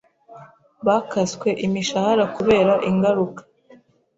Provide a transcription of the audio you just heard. bakaswe imishahara kubera ingaruka